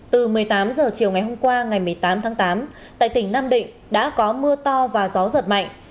từ một mươi tám h chiều ngày hôm qua ngày một mươi tám tháng tám tại tỉnh nam định đã có mưa to và gió giật mạnh